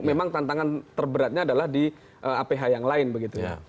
memang tantangan terberatnya adalah di aph yang lain begitu ya